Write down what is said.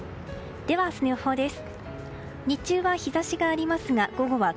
明日の予報です。